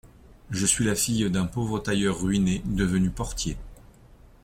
Je suis la fille d’un pauvre tailleur ruiné, devenu portier.